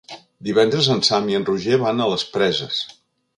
Divendres en Sam i en Roger van a les Preses.